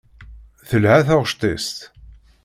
Telha taɣect-is.